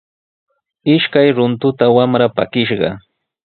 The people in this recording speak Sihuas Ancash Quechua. Ishkay runtuta wamra pakishqa.